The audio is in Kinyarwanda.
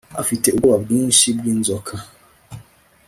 Afite ubwoba bwinshi bwinzoka